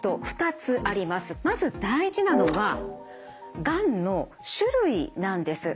まず大事なのはがんの種類なんです。